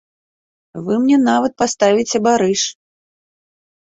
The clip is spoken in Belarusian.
Вы мне нават паставіце барыш.